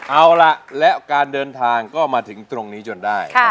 เอาล่ะและการเดินทางก็มาถึงตรงนี้จนได้